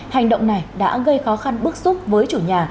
hành động này đã gây khó khăn bức xúc với chủ nhà